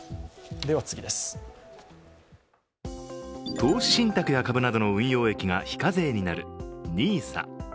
投資信託や株などの運用益が非課税になるＮＩＳＡ。